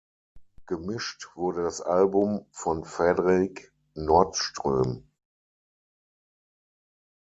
Gemischt wurde das Album von Frederik Nordström.